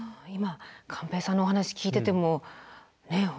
今寛平さんのお話聞いててもね